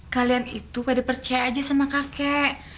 kalian itu pada percaya aja sama kakek